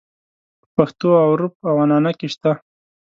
په پښتو او عُرف او عنعنه کې شته.